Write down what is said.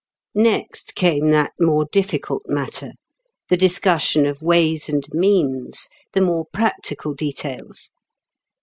Next came that more difficult matter, the discussion of ways and means, the more practical details.